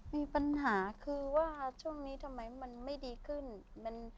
มีปัญหาคือว่าช่วงนี้ทำไมมันไม่ดีขึ้น